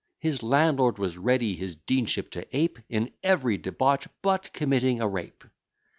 His landlord was ready his deanship to ape In every debauch but committing a rape.